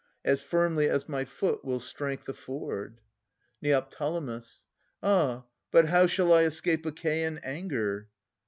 As firmly as my foot will strength afford. Neo. Ah! but how shall I escape Achaean anger?